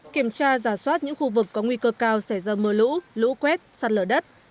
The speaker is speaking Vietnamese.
kiểm tra giả soát những khu vực có nguy cơ cao xảy ra mưa lũ lũ quét sạt lở đất